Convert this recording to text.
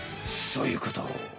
そういうこと。